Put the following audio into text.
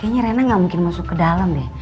kayanya rena gak mungkin masuk ke dalam deh